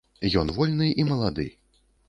Ён вольны і малады.